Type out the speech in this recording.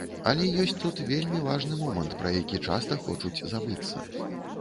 Але ёсць тут вельмі важны момант, пра які часта хочуць забыцца.